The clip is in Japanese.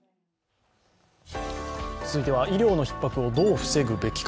続いては、医療のひっ迫をどう防ぐべきか。